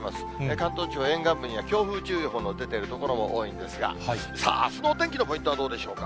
関東地方沿岸部には、強風注意報の出ている所も多いんですが、さあ、あすのお天気のポイントはどうでしょうか。